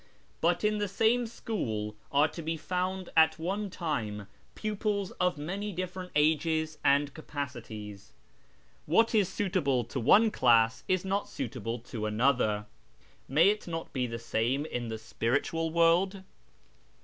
But in the same school are to be lund at one time pupils of many different ages and cajDacities. l|V^hat is suitable to one class is not suitable to another. May i not be the same in the spiritual world